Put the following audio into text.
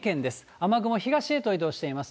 雨雲、東へと移動しています。